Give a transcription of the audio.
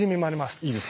いいですか？